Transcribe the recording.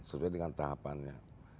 sesuai dengan tahapannya